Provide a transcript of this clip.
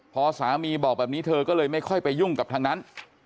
พอสามีบอกแบบนี้เธอก็เลยไม่ค่อยไปยุ่งกับทางนั้น